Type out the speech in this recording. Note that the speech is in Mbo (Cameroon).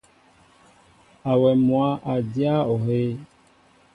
Awem mwă a jáa ohɛy.